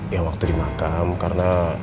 yang waktu dimakam karena